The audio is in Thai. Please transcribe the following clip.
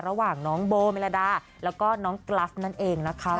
ระหว่างน้องโบเมลดาแล้วก็น้องกรัฟนั่นเองนะคะ